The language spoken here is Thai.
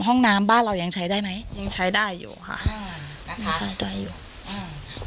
ห้องน้ำบ้านเรายังใช้ได้ไหมยังใช้ได้อยู่ค่ะอ่ายังใช้ได้อยู่อ่า